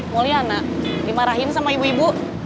moli anak dimarahin sama ibu ibu